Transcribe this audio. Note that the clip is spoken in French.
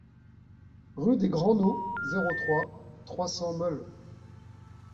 Rue des Grands Nauds, zéro trois, trois cents Molles